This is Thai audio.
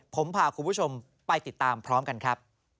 ผมพาคุณผู้ชมไปติดตามพร้อมกันครับ